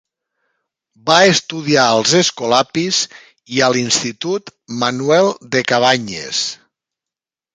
Va estudiar als escolapis i a l'institut Manuel de Cabanyes.